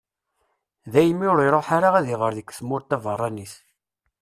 Daymi ur iruḥ ara ad iɣer deg tmurt taberranit.